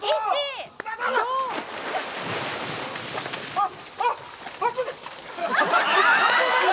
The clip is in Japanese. あっ。